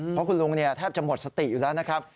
เพราะคุณลุงแทบจะหมดสติอยู่แล้วนะครับ